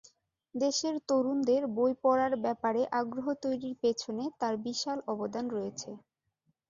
দেশের তরুণদের বই পড়ার ব্যাপারে আগ্রহ তৈরির পেছনে তাঁর বিশাল অবদান রয়েছে।